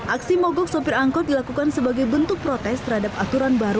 aksi mogok sopir angkot dilakukan sebagai bentuk protes terhadap aturan baru